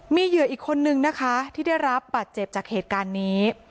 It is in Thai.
มีเหยื่ออีกคนนึงนะคะที่ได้รับบาดเจ็บจากเหตุการณ์นี้